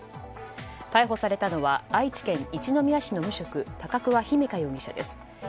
逮捕されたのは愛知県一宮市の無職高桑姫華容疑者です。